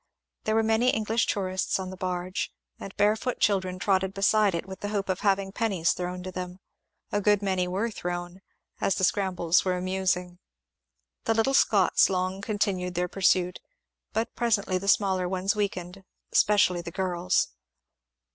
There were many English tourists on the barge, and barefoot children trotted beside it with the hope of having pennies thrown to them. A good many were thrown, as the scrambles were amusing. The little Scots long continued their pursuit, but presently the smaller ones weakened, especially the girls.